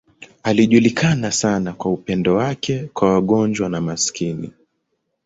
Alijulikana sana kwa upendo wake kwa wagonjwa na maskini.